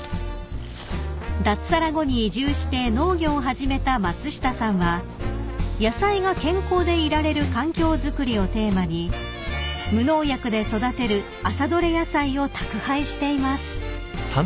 ［脱サラ後に移住して農業を始めた松下さんは野菜が健康でいられる環境づくりをテーマに無農薬で育てる朝取れ野菜を宅配しています］